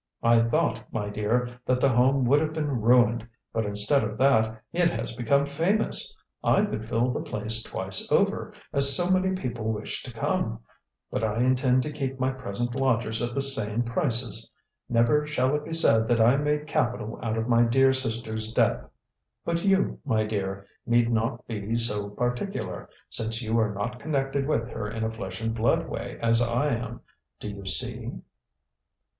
I thought, my dear, that the Home would have been ruined, but instead of that, it has become famous. I could fill the place twice over, as so many people wish to come; but I intend to keep my present lodgers at the same prices. Never shall it be said that I made capital out of my dear sister's death. But you, my dear, need not be so particular, since you are not connected with her in a flesh and blood way as I am. Do you see?"